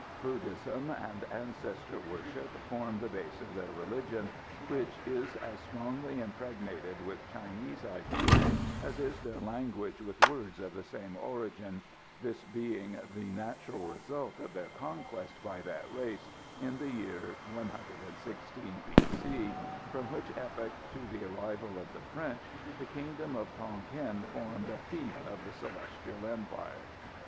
Buddhism and ancestor worship form the base of their religion, which is as strongly impregnated with Chinese ideas as is their language with words of the same origin, this being the natural result of their conquest by that race in the year 116 B.C., from which epoch to the arrival of the French the kingdom of Tonquin formed a fief of the Celestial Empire.